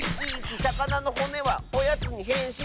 「さかなのほねはおやつにへんしん」